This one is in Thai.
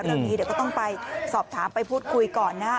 เรื่องนี้เดี๋ยวก็ต้องไปสอบถามไปพูดคุยก่อนนะฮะ